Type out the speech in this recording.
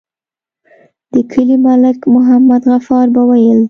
د کلي ملک محمد غفار به ويل.